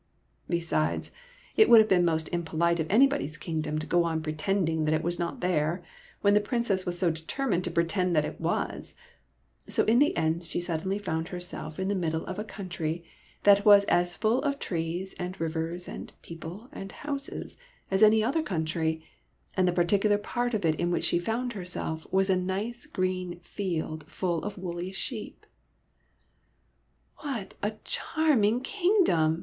Besides, it would have been most impolite of anybody's kingdom to go on pretending that it was not there, when the Princess was so de termined to pretend that it was ; so in the end she suddenly found herself in the middle of a country that was as full of trees and rivers and people and houses as any other country, and the particular part of it in which she found herself was a nice green field full of woolly sheep. ''What a charming kingdom!"